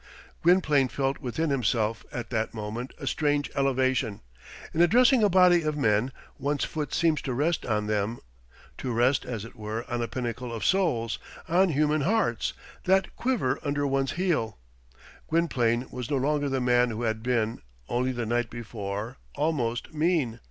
Gwynplaine felt within himself, at that moment, a strange elevation. In addressing a body of men, one's foot seems to rest on them; to rest, as it were, on a pinnacle of souls on human hearts, that quiver under one's heel. Gwynplaine was no longer the man who had been, only the night before, almost mean.